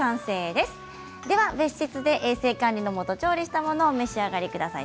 では別室で衛生管理のもと調理したものをお召し上がりください。